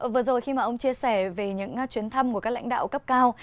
vừa rồi khi mà ông chia sẻ về những chuyến thăm của các lãnh đạo cấp cao